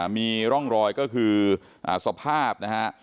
มีร่องรอยก็คือสภาพนะฮะ